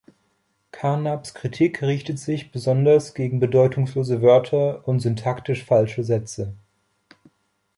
Carnaps Kritik richtete sich besonders gegen bedeutungslose Wörter und syntaktisch falsche Sätze.